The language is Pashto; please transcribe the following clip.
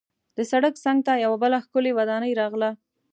د سړک څنګ ته یوه بله ښکلې ودانۍ راغله.